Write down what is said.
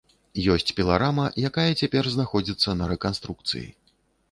Ёсць піларама, якая цяпер знаходзіцца на рэканструкцыі.